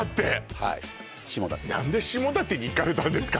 はい下館何で下館に行かれたんですか